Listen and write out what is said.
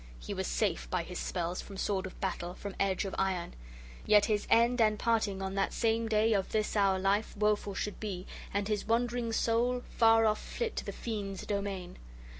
He was safe, by his spells, from sword of battle, from edge of iron. Yet his end and parting on that same day of this our life woful should be, and his wandering soul far off flit to the fiends' domain.